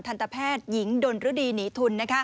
ทันตแพทย์หญิงดนรดีหนีทุน